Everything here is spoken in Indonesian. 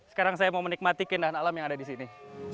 sekarang saya mau menikmati keindahan alam yang ada di sini